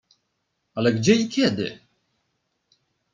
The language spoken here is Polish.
"Ale gdzie i kiedy?"